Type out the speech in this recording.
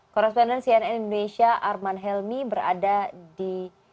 koresponden cnn indonesia arman helmi berada di